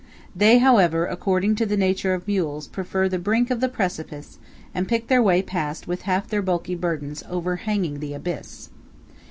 They, however, according to the nature of mules, prefer the brink of the precipice, and pick their way past with half their bulky burdens overhanging the abyss.